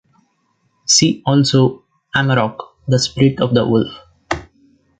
See also; Amarok, the spirit of the wolf.